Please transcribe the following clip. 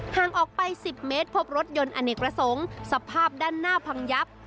ห่างออกไป๑๐เมตรพบรถยนต์อเนกประสงค์สภาพด้านหน้าพังยับ